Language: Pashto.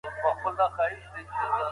هغه کسان چي له وطنه لیرې دي، غمجني دي.